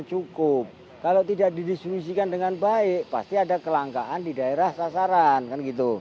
cukup kalau tidak didistribusikan dengan baik pasti ada kelangkaan di daerah sasaran kan gitu